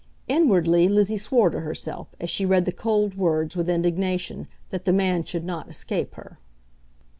Inwardly, Lizzie swore to herself, as she read the cold words with indignation, that the man should not escape her.